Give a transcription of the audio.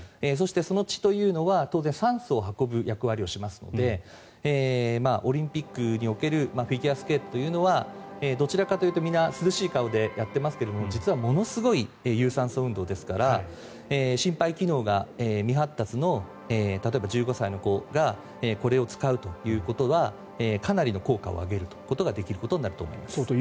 そしてその血というのは当然酸素を運ぶ役割をしますのでオリンピックにおけるフィギュアスケートというのはどちらかというと皆、涼しい顔でやっていますけれど実はものすごい有酸素運動ですから心肺機能が未発達の例えば１５歳の子がこれを使うということはかなりの効果を上げることができることになると思います。